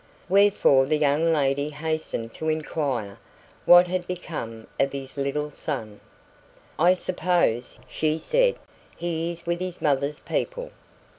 Wherefore the young lady hastened to inquire what had become of his little son. "I suppose," she said, "he is with his mother's people?"